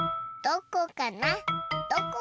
どこかな？